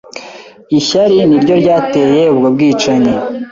Ishyari niryo ryateye ubwo bwicanyi.